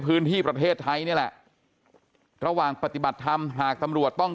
พื้นที่ประเทศไทยนี่แหละระหว่างปฏิบัติธรรมหากตำรวจต้อง